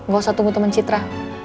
gak usah tunggu teman citra